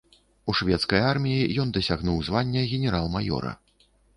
У шведскай арміі ён дасягнуў звання генерал-маёра.